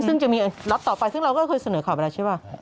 ซึ่งจะมีรับต่อไปซึ่งเราก็เคยเสนอขอบไปแล้วใช่ไหม